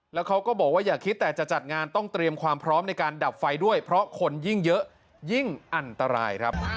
แล้วเขาก็บอกว่าอย่าคิดแต่จะจัดงานต้องเตรียมความพร้อมในการดับไฟด้วยเพราะคนยิ่งเยอะยิ่งอันตรายครับ